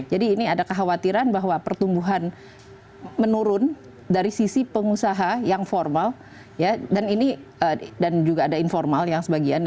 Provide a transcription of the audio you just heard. jadi ini ada kekhawatiran bahwa pertumbuhan menurun dari sisi pengusaha yang formal dan ini dan juga ada informal yang sebagian